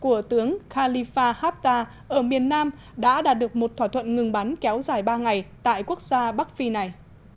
của tướng khalifa haftta ở miền nam đã đạt được một thỏa thuận ngừng bắn kéo dài ba ngày tại quốc gia bắc phi này